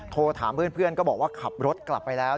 โทรถามเพื่อนก็บอกว่าขับรถกลับไปแล้ว